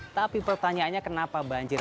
tapi pertanyaannya kenapa banjir